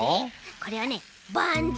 これはねバンズ！